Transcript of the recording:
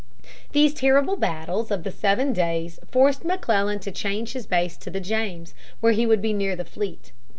These terrible battles of the Seven Days forced McClellan to change his base to the James, where he would be near the fleet.